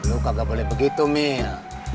lu kagak boleh begitu mil